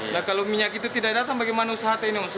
nah kalau minyak itu tidak datang bagaimana usaha ini